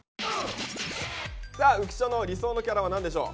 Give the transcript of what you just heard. さあ浮所の理想のキャラは何でしょう。